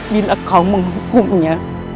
bila kau menghukumnya